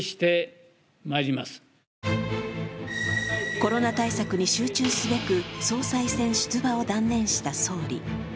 コロナ対策に集中すべく総裁選出馬を断念した総理。